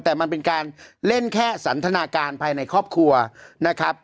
แต่มันเป็นการเล่นแค่สันทนาการภายในครอบครัวนะครับ